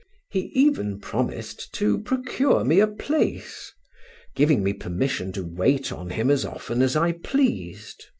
He even promised to procure me a place; giving me permission to wait on him as often as I pleased.